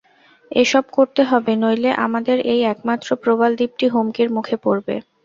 এসব করতে হবে, নইলে আমাদের এই একমাত্র প্রবালদ্বীপটি হুমকির মুখে পড়বে।